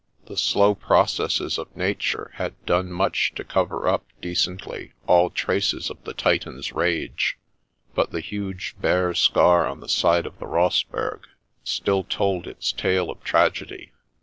The slow processes of nature had done much to cover up decently all traces of the Titan's rage, but the huge, bare scar on the side of the Rossberg still told its tale of tragedy.